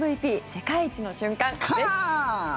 世界一の瞬間です。